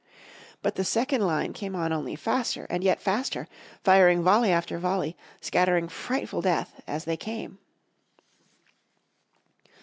But the second line came on only faster and yet faster, firing volley after volley, scattering frightful death as they came.